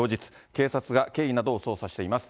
警察が経緯などを捜査しています。